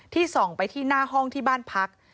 ส่องไปที่หน้าห้องที่บ้านพัก